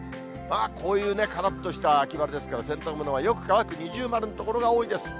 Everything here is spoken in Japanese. こういうからっとした秋晴れですから、洗濯物はよく乾く、二重丸の所が多いです。